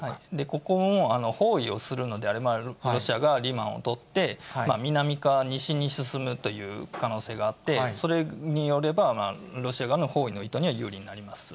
ここも包囲をするので、ロシアがリマンを取って、南から西に進むという可能性があって、それによれば、ロシア側のほうには包囲の意図には有利になります。